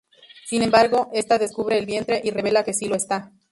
Sin embargo, esta descubre el vientre y revela que sí lo está.